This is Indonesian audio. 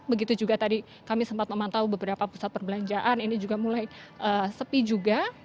begitu juga tadi kami sempat memantau beberapa pusat perbelanjaan ini juga mulai sepi juga